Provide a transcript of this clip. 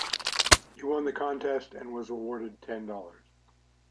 He won the contest and was awarded ten dollars.